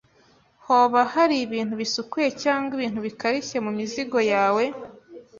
Hoba hari ibintu bisukuye cyangwa ibintu bikarishye mumizigo yawe?